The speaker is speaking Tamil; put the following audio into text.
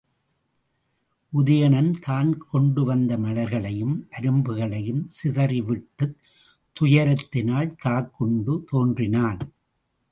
உதயணன் தான் கொண்டு வந்த மலர்களையும் அரும்புகளையும் சிதறிவிட்டுத் துயரத்தினால் தாக்குண்டு தோன்றினான்.